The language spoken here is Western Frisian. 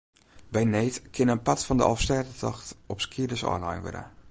By need kin in part fan de Alvestêdetocht op skeelers ôflein wurde.